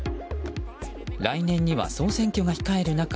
来年には総選挙が控える中